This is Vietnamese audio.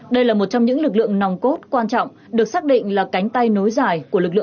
đây là một trong những lực lượng nòng cốt quan trọng được xác định là cánh tay nối dài